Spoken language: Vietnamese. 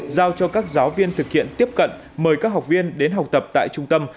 giao cho các giáo viên thực hiện tiếp cận mời các học viên đến học tập tại trung tâm